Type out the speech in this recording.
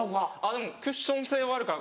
でもクッション性はあるから。